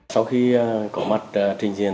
sau khi có mặt trình diện